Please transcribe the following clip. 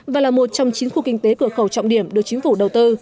và là một trong chín khu kinh tế cửa khẩu trọng điểm được chính phủ đầu tư